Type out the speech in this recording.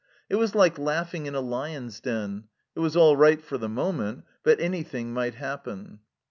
It was like laughing in a lions' den ; it was all right for the moment, but anything might happen.